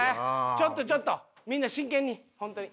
ちょっとちょっとみんな真剣に本当に。